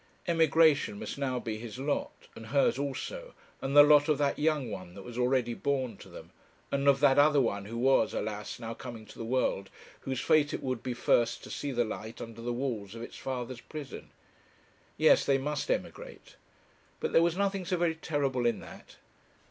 Emigration must now be his lot; and hers also, and the lot of that young one that was already born to them, and of that other one who was, alas! now coming to the world, whose fate it would be first to see the light under the walls of its father's prison. Yes, they must emigrate. But there was nothing so very terrible in that.